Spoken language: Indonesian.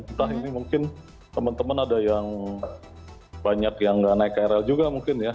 entah ini mungkin teman teman ada yang banyak yang nggak naik krl juga mungkin ya